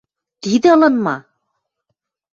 – Тидӹ ылын ма?